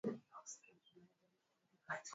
Mnyama mwenye kimeta hupata homa kali